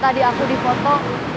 tadi aku di foto